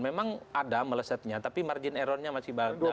memang ada melesetnya tapi margin errornya masih dalam batas